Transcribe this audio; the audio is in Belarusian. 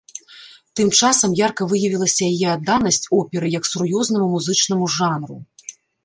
Тым часам ярка выявілася яе адданасць оперы як сур'ёзнаму музычнаму жанру.